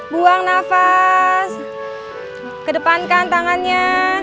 buang nafas kedepankan tangannya